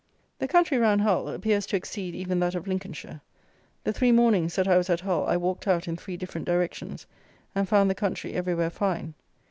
The country round Hull appears to exceed even that of Lincolnshire. The three mornings that I was at Hull I walked out in three different directions, and found the country everywhere fine.